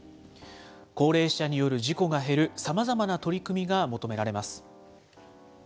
高齢者による事故が減るさまざまな取り組みが求められます。